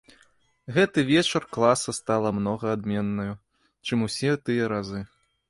Гэты вечар класа стала многа адменнаю, чым усе тыя разы.